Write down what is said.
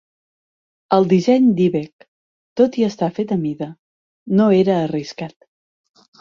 El disseny d'Ibec, tot i estar fet a mida, no era arriscat.